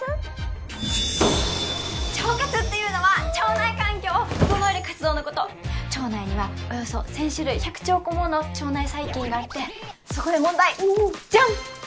腸活っていうのは腸内環境を整える活動のこと腸内にはおよそ１０００種類１００兆個もの腸内細菌があってそこで問題じゃん！